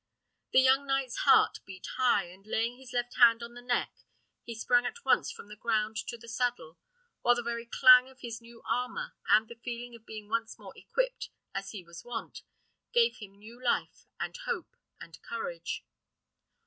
The young knight's heart beat high, and laying his left hand on the neck, he sprang at once from the ground into the saddle; while the very clang of his new armour, and the feeling of being once more equipped as he was wont, gave him new life, and hope, and courage.